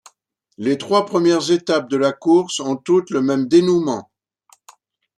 Les trois premières étapes de la course ont toutes le même dénouement.